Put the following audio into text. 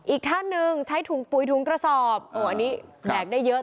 อีกท่านหนึ่งใช้ถุงปุ๋ยถุงกระสอบโอ้อันนี้แบกได้เยอะ